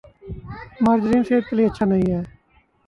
margarine صحت کے لئے اچھا نہیں ہے